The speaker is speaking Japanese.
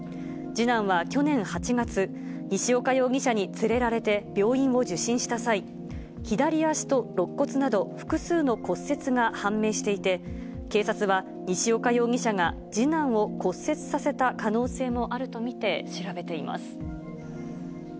次男は去年８月、西岡容疑者に連れられて病院を受診した際、左足とろっ骨など複数の骨折が判明していて、警察は、西岡容疑者が次男を骨折させた可能性もあると見て調べています。